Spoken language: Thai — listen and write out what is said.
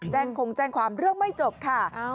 คงแจ้งความเรื่องไม่จบค่ะ